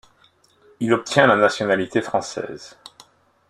Il obtient la nationalité française.